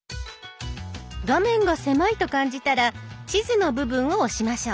画面が狭いと感じたら地図の部分を押しましょう。